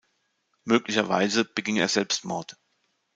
Möglicherweise beging er Selbstmord.